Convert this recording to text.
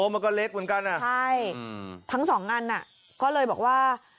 มันก็เล็กเหมือนกันใช่ทั้งสองอันอ่ะก็เลยบอกว่า